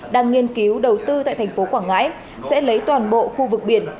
đang nghiên cứu đầu tư tại thành phố quảng ngãi sẽ lấy toàn bộ khu vực biển